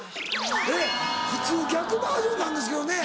えっ普通逆バージョンなんですけどね。